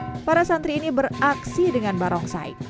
perabuan musik para santri ini beraksi dengan barongsai